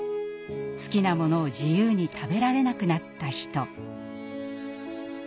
好きなものを自由に食べられなくなった人。